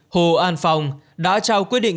hồ an phong đã trao quyết định